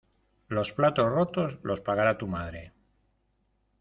Los platos rotos los pagará tu madre.